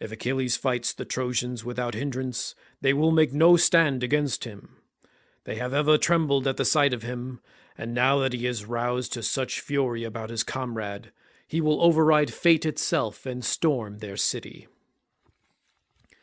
If Achilles fights the Trojans without hindrance they will make no stand against him; they have ever trembled at the sight of him, and now that he is roused to such fury about his comrade, he will override fate itself and storm their city."